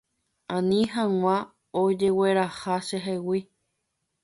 Ani hag̃ua ojegueraha chehegui.